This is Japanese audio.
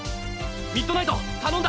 ミッドナイトたのんだ！